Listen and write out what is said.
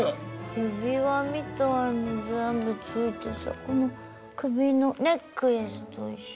指輪みたいの全部ついてそこの首のネックレスと一緒。